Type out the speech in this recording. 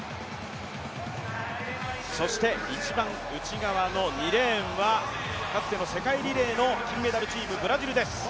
そして、一番内側の２レーンはかつての世界リレーの金メダルチーム、ブラジルです。